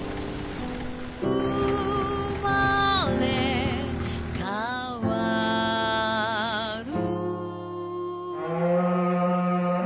「うまれかわる」